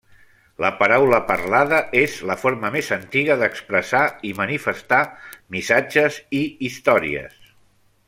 La paraula parlada és la forma més antiga d'expressar i manifestar missatges i històries.